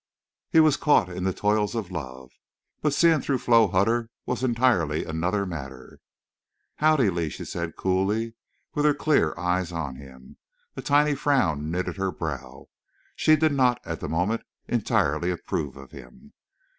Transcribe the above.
He was caught in the toils of love. But seeing through Flo Hutter was entirely another matter. "Howdy, Lee!" she said, coolly, with her clear eyes on him. A tiny frown knitted her brow. She did not, at the moment, entirely approve of him.